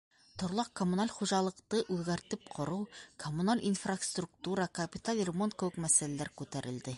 Торлаҡ-коммуналь хужалыҡты үҙгәртеп ҡороу, коммуналь инфраструктура, капиталь ремонт кеүек мәсьәләләр күтәрелде.